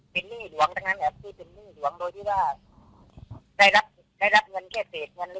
เป็นหนี้หลวงหลวงโดยที่ว่าได้รับได้รับเงินแค่เศษเงิน